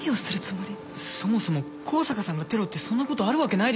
そもそも香坂さんがテロってそんなことあるわけないですよ。